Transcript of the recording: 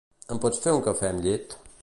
Em pots fer un cafè amb llet?